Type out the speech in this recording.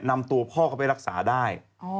นำตัวพ่อเขาไปรักษาได้